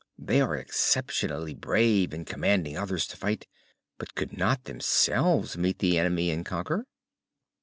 They are exceptionally brave in commanding others to fight, but could not themselves meet the enemy and conquer."